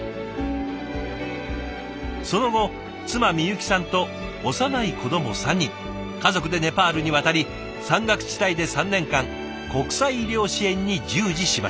その後妻みゆきさんと幼い子ども３人家族でネパールに渡り山岳地帯で３年間国際医療支援に従事しました。